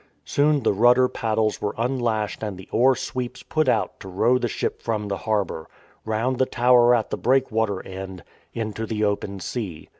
Soon the rudder paddles were unlashed and the oar sweeps put out to row the ship from the harbour, round the tower at the breakwater end, into the open sea.